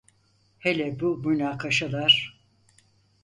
Hele bu münakaşalar.